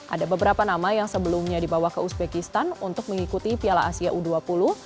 ada beberapa nama yang sebelumnya dibawa ke uzbekistan untuk mengikuti piala asia u dua puluh